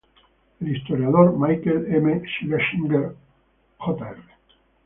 El historiador Michael M. Schlesinger, Jr.